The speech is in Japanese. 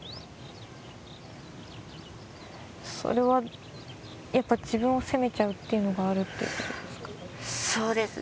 それはやっぱり自分を責めちゃうっていうのがあるっていうことですか？